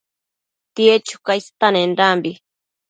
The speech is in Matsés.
tied chuca istenendambi